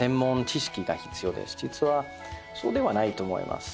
実はそうではないと思います。